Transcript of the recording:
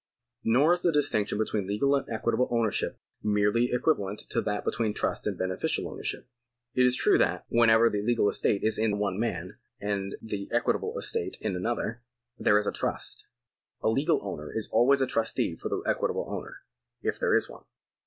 Nor is the distinction between legal and equitable owner ship merely equivalent to that between trust and beneficial ownership. It is true that, whenever the legal estate is in one man and the equitable estate in another, there is a trust. A legal owner is always a trustee for the equitable owner, if there is one.